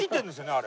あれ。